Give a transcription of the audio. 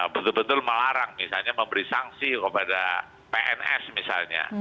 betul betul melarang misalnya memberi sanksi kepada pns misalnya